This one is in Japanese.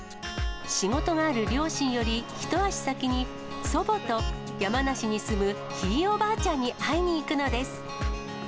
仕事がある両親より一足先に祖母と山梨に住むひいおばあちゃんに会いにいくのです。